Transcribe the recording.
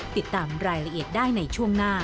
ติดตามรายละเอียดได้ในช่วงหน้า